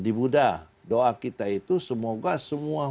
di buddha doa kita itu semoga semua